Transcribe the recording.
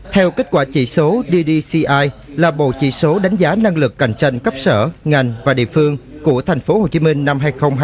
theo kết quả chỉ số ddci là bộ chỉ số đánh giá năng lực cạnh tranh cấp sở ngành và địa phương của tp hcm năm hai nghìn hai mươi